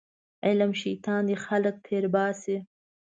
علم شیطان دی خلک تېرباسي